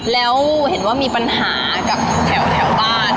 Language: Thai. แล้วเห็นว่ามีปัญหากับแถวบ้าน